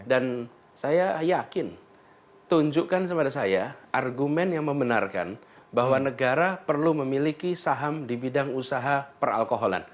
dan saya yakin tunjukkan kepada saya argumen yang membenarkan bahwa negara perlu memiliki saham di bidang usaha peralkoholan